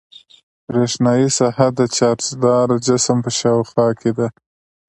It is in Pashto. برېښنايي ساحه د چارجداره جسم په شاوخوا کې ده.